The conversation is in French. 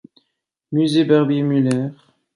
Musée Barbier-Mueller.